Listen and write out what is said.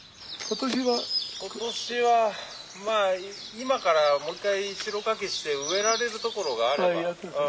今年はまあ今からもう一回代かきして植えられるところがあれば。